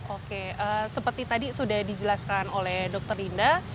oke seperti tadi sudah dijelaskan oleh dr linda